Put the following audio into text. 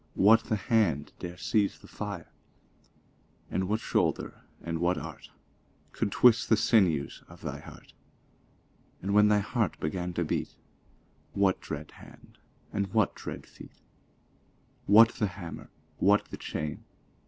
What the hand dare sieze the fire? And what shoulder, & what art, Could twist the sinews of thy heart? And when thy heart began to beat, What dread hand? & what dread feet? What the hammer? what the chain?